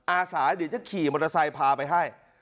อาสาเดี๋ยวจะขี่มอเตอร์ไซค์พาไปให้